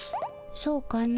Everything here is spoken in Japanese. そうかの。